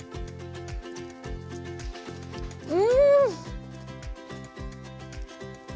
うん！